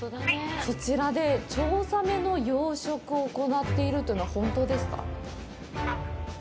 そちらでチョウザメの養殖を行っているというのは本当ですか？